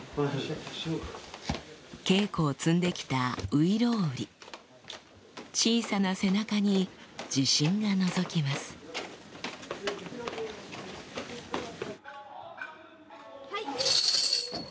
稽古を積んで来た『外郎売』小さな背中に自信がのぞきますはい。